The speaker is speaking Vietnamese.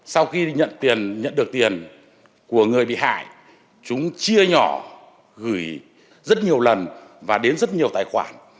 sau khi nhận tiền nhận được tiền của người bị hại chúng chia nhỏ gửi rất nhiều lần và đến rất nhiều tài khoản